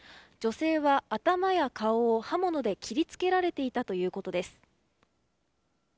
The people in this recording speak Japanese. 女性は頭や顔を刃物で切り付けられていたということです。